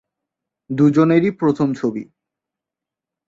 দুজনেরই প্রথম ছবি।